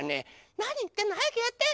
なにいってんのはやくやって！